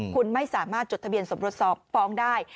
คุณไม่สามารถจดทะเบียนสมรสสอบฟ้องได้